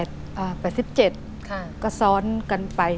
วัน๑๗ก็ซ้อนกันไป